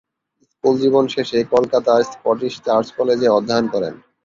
School জীবন শেষে কলকাতার স্কটিশ চার্চ কলেজে অধ্যয়ন করেন।